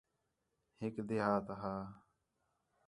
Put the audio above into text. ہِک دیہات ہا